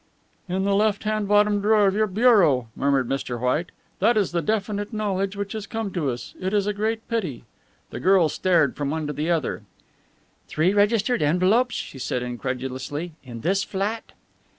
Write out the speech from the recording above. "In the left hand bottom drawer of your bureau," murmured Mr. White. "That is the definite knowledge which has come to us it is a great pity." The girl stared from one to the other. "Three registered envelopes," she said incredulously; "in this flat?"